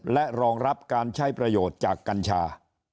และรองรับการใช้ประโยชน์จากกัญชา